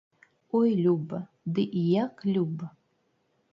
Ой, люба, ды і як люба!